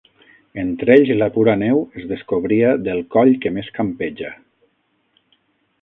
Entre ells la pura neu es descobria del coll que més campeja.